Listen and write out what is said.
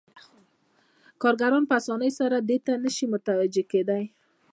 کارګران په اسانۍ سره دې ته نشي متوجه کېدای